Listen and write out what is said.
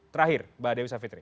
terakhir mbak dewi savitri